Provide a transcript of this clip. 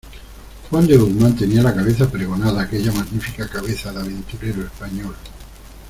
juan de Guzmán tenía la cabeza pregonada, aquella magnífica cabeza de aventurero español.